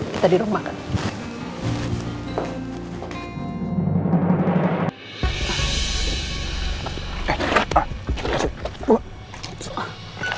kita di rumah